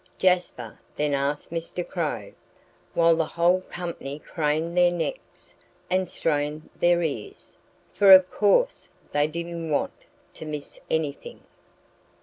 Jasper then asked Mr. Crow, while the whole company craned their necks and strained their ears for of course they didn't want to miss anything.